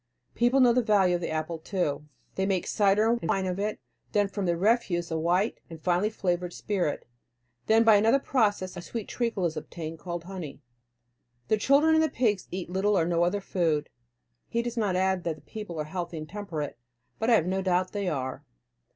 The people know the value of the apple too. They make cider and wine of it and then from the refuse a white and finely flavored spirit; then by another process a sweet treacle is obtained called honey. The children and the pigs eat little or no other food. He does not add that the people are healthy and temperate, but I have no doubt they are.